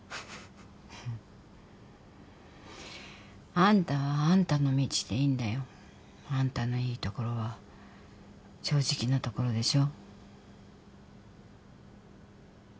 あんたはあんたの道でいいんだよ。あんたのいいところは正直なところでしょ。